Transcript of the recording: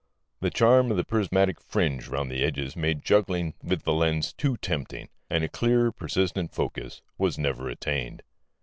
The charm of the prismatic fringe round the edges made juggling with the lens too tempting, and a clear persistent focus was never attained.